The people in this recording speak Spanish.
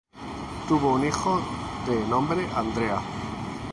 Tuvo un hijo, de nombre Andrea.